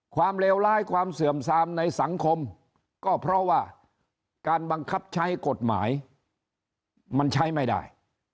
เลวร้ายความเสื่อมซามในสังคมก็เพราะว่าการบังคับใช้กฎหมายมันใช้ไม่ได้